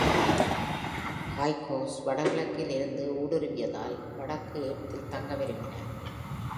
ஹைக்சோஸ் வடகிழக்கில் இருந்து ஊடுருவியதால் வடக்கு எகிப்தில் தங்க விரும்பினார்.